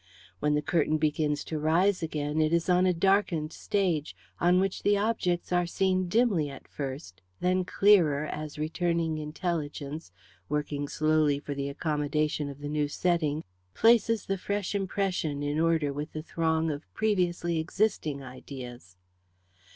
When the curtain begins to rise again it is on a darkened stage, on which the objects are seen dimly at first, then clearer as returning intelligence, working slowly for the accommodation of the new setting, places the fresh impression in order with the throng of previously existing ideas.